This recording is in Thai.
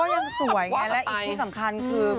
นางก็ยังสวยไงและที่สำคัญคือ